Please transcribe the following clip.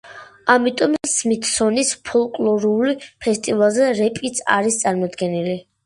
ამიტომ სმითსონის ფოლკლორულ ფესტივალზე რეპიც არის წარმოდგენილი.